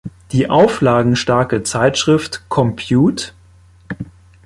Die auflagenstarke Zeitschrift "Compute!